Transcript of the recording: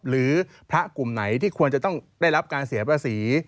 หรือพระกลุ่มไหนที่ควรจะต้องได้รับการเสียภาษี